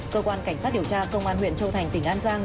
cơ quan cảnh sát điều tra công an huyện châu thành tỉnh an giang